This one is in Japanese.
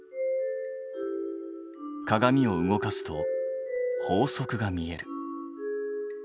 鏡を動かすと法則が見える。